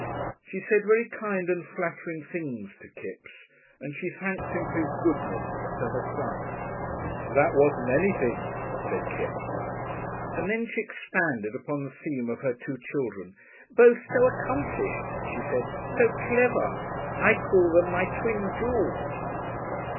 She said very kind and flattering things to Kipps, and she thanked him for his goodness to her son. ("That wasn't anything," said Kipps.) And then she expanded upon the theme of her two children. "Both so accomplished," she said, "so clever. I call them my Twin Jewels."